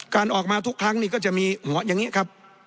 การออกมาทุกครั้งนี้ก็จะมีอย่างนี้ครับ